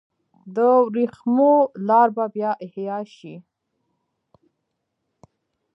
د ورېښمو لار به بیا احیا شي؟